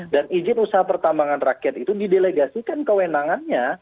dan ijin usaha pertambangan rakyat itu didelegasikan kewenangannya